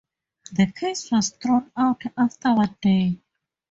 The case was thrown out after one day.